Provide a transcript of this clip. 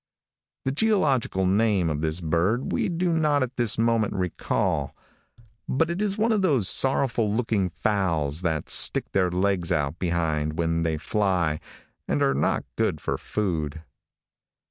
The geological name of this bird we do not at this moment recall, but it is one of those sorrowful looking fowls that stick their legs out behind when they fly, and are not good for food.